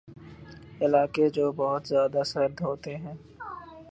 علاقے جو بہت زیادہ سرد ہوتے ہیں